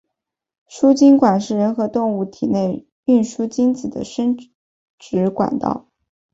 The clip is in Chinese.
输精管是人和动物体内输送精子的生殖管道。